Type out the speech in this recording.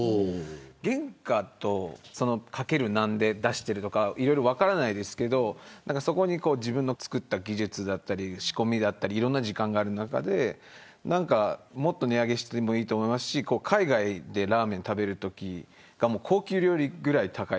原価と、掛ける何で出しているとか分からないですけど自分の作った技術だったり仕込みだったりいろんな時間がある中でもっと値上げしてもいいと思うし海外でラーメンを食べるとき高級料理ぐらい高い。